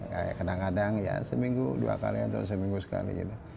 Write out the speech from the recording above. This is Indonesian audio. kayak kadang kadang ya seminggu dua kali atau seminggu sekali gitu